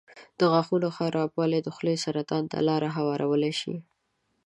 د غاښونو خرابوالی د خولې سرطان ته لاره هوارولی شي.